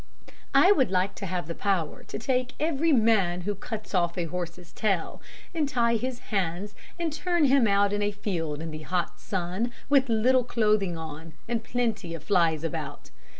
"I would like to have the power to take every man who cuts off a horse's tail, and tie his hands and turn him out in a field in the hot sun, with little clothing on, and plenty of flies about.